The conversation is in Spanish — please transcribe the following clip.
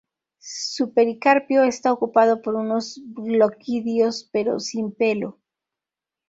Su pericarpio está ocupado con unos gloquidios, pero sin pelo.